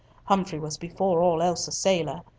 Humfrey was before all else a sailor.